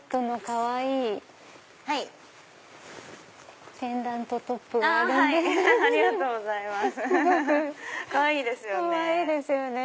かわいいですよね。